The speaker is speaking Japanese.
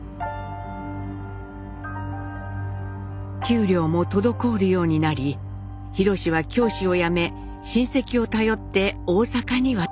給料も滞るようになり廣は教師を辞め親戚を頼って大阪に渡りました。